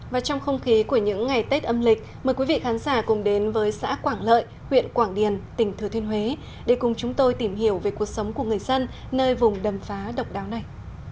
và trong không khí của những ngày tết âm lịch mời quý vị khán giả cùng đến với xã quảng lợi huyện quảng điền tỉnh thừa thiên huế để cùng chúng tôi tìm hiểu về cuộc sống của người dân nơi vùng đầm phá độc đáo này